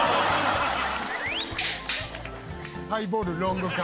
「ハイボールロング缶」